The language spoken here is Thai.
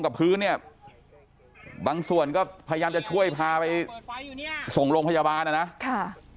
กับพื้นเนี่ยบางส่วนก็พยายามจะช่วยพาไปส่งโรงพยาบาลนะค่ะ